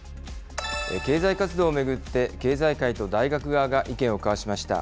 経済活動を巡って経済界と大学側が意見を交わしました。